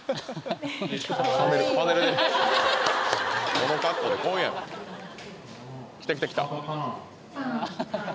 この格好で来んやろ来た来た来た！